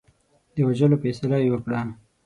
د وژلو فیصله یې وکړه.